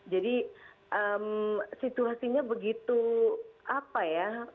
jadi situasinya begitu apa ya